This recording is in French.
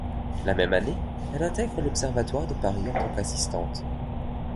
La même année elle intègre l'observatoire de Paris en tant qu'assistante.